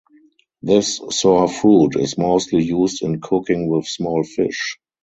This sour fruit is mostly used in cooking with small fish.